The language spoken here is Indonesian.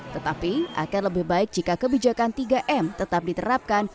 tetapi akan lebih baik jika kebijakan tiga m tetap diterapkan